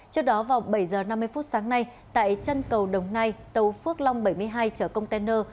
trước đó vào bảy h năm mươi phút sáng nay tại chân cầu đồng nai tàu phước long bảy mươi hai chở container